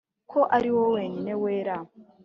ko ari wowe wenyine wera?